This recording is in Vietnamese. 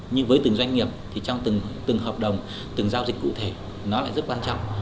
nhưng với từng doanh nghiệp thì trong từng hợp đồng từng giao dịch cụ thể nó lại rất quan trọng